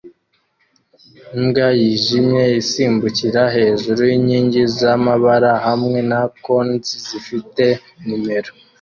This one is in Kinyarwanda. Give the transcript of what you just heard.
Imbwa yijimye isimbukira hejuru yinkingi zamabara hamwe na cones zifite numero